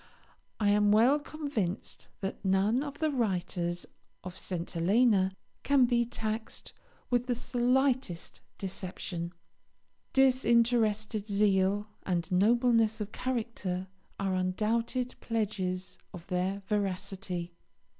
I am well convinced that none of the writers of St. Helena can be taxed with the slightest deception; disinterested zeal and nobleness of character are undoubted pledges of their veracity.